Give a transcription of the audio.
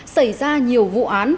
xảy ra nhiều vụ án